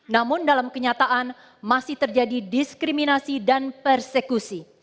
namun dalam kenyataan masih terjadi diskriminasi dan persekusi